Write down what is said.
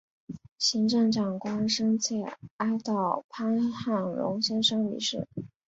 行政长官深切哀悼潘汉荣先生离世